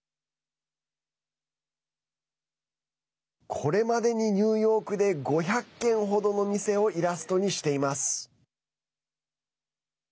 これまでにニューヨークで５００軒ほどの店をイラストにしています。